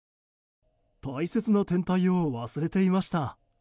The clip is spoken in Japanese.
大切な天体を忘れていました。